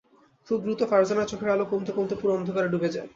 খুব দ্রুত ফারজানার চোখের আলো কমতে কমতে পুরো অন্ধকারে ডুবে যায়।